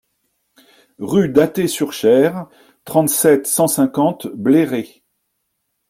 Rue d'Athée sur Cher, trente-sept, cent cinquante Bléré